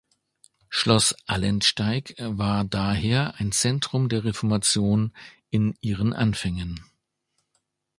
Schloss Allentsteig war daher ein Zentrum der Reformation in ihren Anfängen.